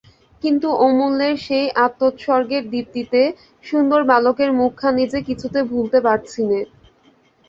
কিন্তু অমূল্যর সেই আত্মোৎসর্গের দীপ্তিতে-সুন্দর বালকের মুখখানি যে কিছুতে ভুলতে পারছি নে।